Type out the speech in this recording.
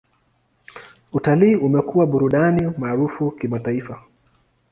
Utalii umekuwa burudani maarufu kimataifa.